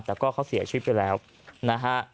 แต่ก็เขาเสียชีวิตไปแล้วนะฮะ